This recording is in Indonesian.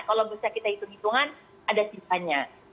kalau kita bisa hitung hitungan ada sisanya